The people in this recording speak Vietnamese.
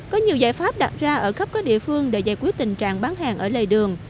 có nhiều giải pháp đặt ra ở khắp các địa phương để giải quyết tình trạng bán hàng ở lề đường